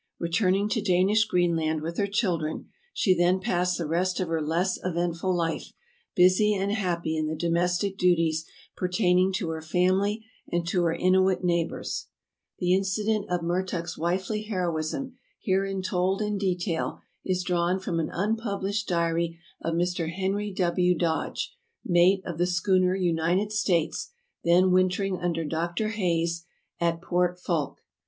Re turning to Danish Greenland with her children, she there passed the rest of her less eventful life, busy and happy in the domestic duties pertaining to her family and to her Inuit neighbors. The Wifely Heroism of Mertuk 371 The incident of Mertuk's wifely heroism, herein told in detail, is drawn from an unpublished diary of Mr. Henrv W. Dodge, mate of the schooner United StaUs, then wintering under Dr. Hayes at Port Foulke.